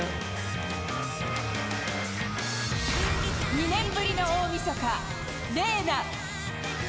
２年ぶりの大みそかＲＥＮＡ。